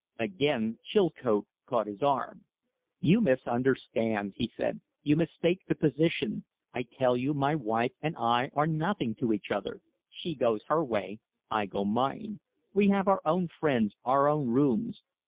Again Chilcote caught his arm. "You misunderstand," he said. "You mistake the position. I tell you my wife and I are nothing to each other. She goes her way; I go mine. We have our own friends, our own rooms.